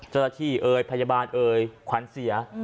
เจ้าตะที่เอ่ยพยาบาลเอ่ยขวัญเสีย